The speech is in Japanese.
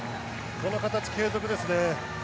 この形を継続ですね。